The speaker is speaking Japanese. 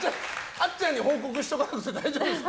あっちゃんに報告しとかなくて大丈夫ですか。